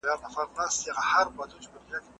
ابن خلدون دا تشريح کوي.